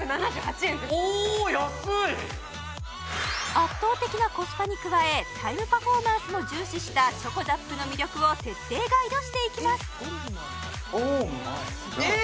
圧倒的なコスパに加えタイムパフォーマンスも重視したｃｈｏｃｏＺＡＰの魅力を徹底ガイドしていきます